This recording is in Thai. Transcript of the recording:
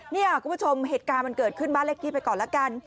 เนี่ยคุณผู้ชมเหตุการณ์มันเกิดขึ้นบ้านเลขที่ไปก่อนละกัน